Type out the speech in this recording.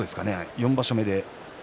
４場所目で。